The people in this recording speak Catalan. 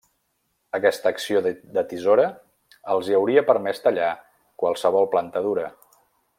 Aquesta acció de tisora els hi hauria permès tallar qualsevol planta dura.